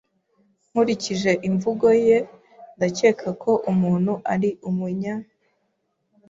Nkurikije imvugo ye, ndakeka ko umuntu ari Umunya